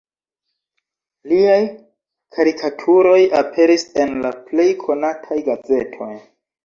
Liaj karikaturoj aperis en la plej konataj gazetoj.